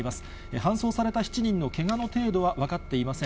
搬送された７人のけがの程度は分かっていません。